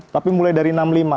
tapi mulai dari enam puluh lima